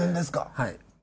はい。